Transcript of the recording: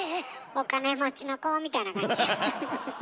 お金持ちの子みたいな感じやしな。